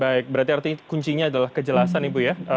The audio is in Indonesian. baik berarti kuncinya adalah kejelasan ibu ya